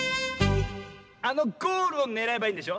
あのゴールをねらえばいいんでしょ。